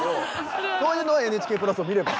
そういうのは「ＮＨＫプラス」を見れば。